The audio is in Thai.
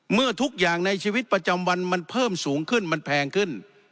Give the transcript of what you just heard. เมื่อทุกอย่างในชีวิตประจำวันมันเพิ่มสูงขึ้นมันแพงขึ้น